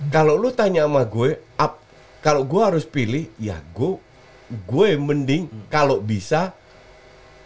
kalau lo tanya sama gue kalau gue harus pilih ya gue gue mending kalau bisa